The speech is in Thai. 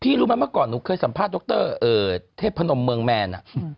พี่รู้มั้ยเมื่อก่อนมั้ยเลยหนูเคยสัมภาษณ์เทพภาพเมืองแมนอ๋อ